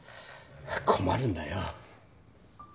困るんだよ。